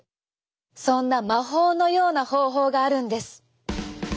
そんな魔法のような方法があるんです。